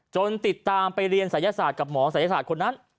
ติดตามไปเรียนศัยศาสตร์กับหมอศัยศาสตร์คนนั้น